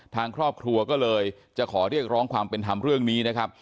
ทางครอบครัวก็เลยจะขอเรียกร้องความเป็นธรรมเรื่องนี้นะครับ